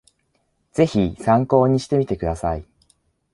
ぜひ参考にしてみてください